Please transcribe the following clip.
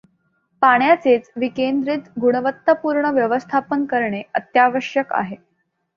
पाण्याचेच विकेंद्रित गुणवत्तापूर्ण व्यवस्थापन करणे अत्यावश्यक आहे.